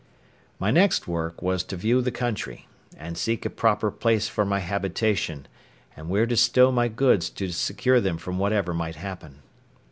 My next work was to view the country, and seek a proper place for my habitation, and where to stow my goods to secure them from whatever might happen.